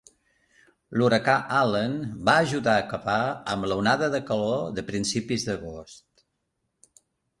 L'huracà Allen va ajudar a acabar amb l'onada de calor de principis d'agost.